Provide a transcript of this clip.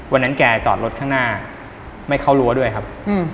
วันนั้นแกจอดรถข้างหน้าไม่เข้ารั้วด้วยครับ